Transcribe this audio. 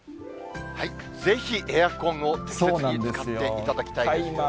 ぜひ、エアコンを適切に使っていただきたいですよね。